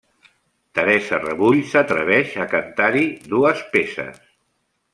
Teresa Rebull s'atreveix a cantar-hi dues peces.